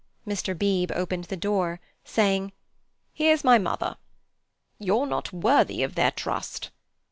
Mr. Beebe opened the door, saying: "Here's my mother." "You're not worthy of their trust."